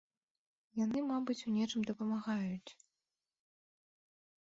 Яны, мабыць, у нечым дапамагаюць.